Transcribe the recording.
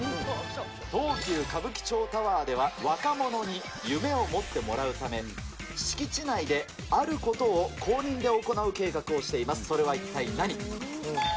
東急歌舞伎町タワーでは、若者に夢を持ってもらうため、敷地内であることを公認で行う計画をしています。